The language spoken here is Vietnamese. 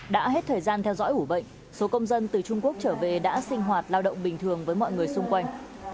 đã hết thời gian theo dõi ủ bệnh số công dân từ trung quốc trở về đã sinh hoạt lao động bình thường với mọi người xung quanh